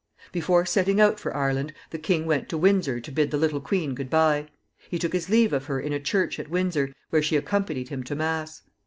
Before setting out for Ireland, the king went to Windsor to bid the little queen good by. He took his leave of her in a church at Windsor, where she accompanied him to mass.